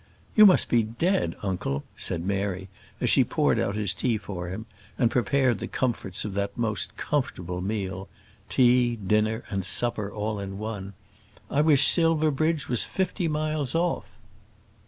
"You must be dead, uncle," said Mary, as she poured out his tea for him, and prepared the comforts of that most comfortable meal tea, dinner, and supper, all in one. "I wish Silverbridge was fifty miles off."